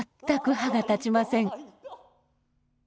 全く歯が立ちません。